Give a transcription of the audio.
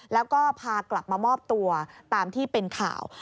แล้วก็พากลับมามอบตัวตามที่เป็นข่าว